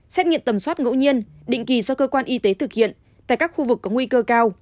xét nghiệm tầm soát ngẫu nhiên định kỳ do cơ quan y tế thực hiện tại các khu vực có nguy cơ cao